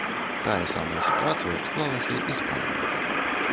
Тая самая сітуацыя склалася і з палівам.